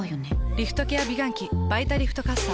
リフトケア美顔器「バイタリフトかっさ」。